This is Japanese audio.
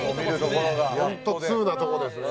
ホント通なとこですね。